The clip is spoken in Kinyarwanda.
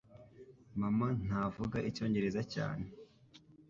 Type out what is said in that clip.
Mama ntavuga Icyongereza cyane